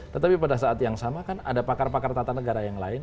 tetapi pada saat yang sama kan ada pakar pakar tata negara yang lain